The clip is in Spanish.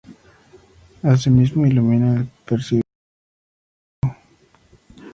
Asimismo ilumina el presbiterio de la Seo.